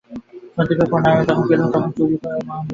সন্দীপের প্রণাম যখন পেলুম আমার চুরি তখন মহিমান্বিত হয়ে উঠল।